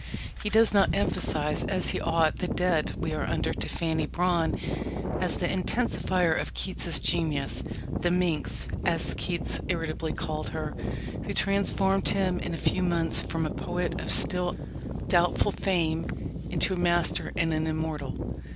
He does not emphasize as he ought the debt we are under to Fanny Brawne as the intensifier of Keats's genius the "minx," as Keats irritably called her, who transformed him in a few months from a poet of still doubtful fame into a master and an immortal.